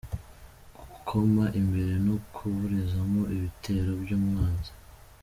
– Gukoma imbere no kuburizamo ibitero by’umwanzi;